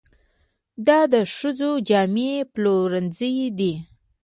دا د ښځو جامې پلورنځی دی.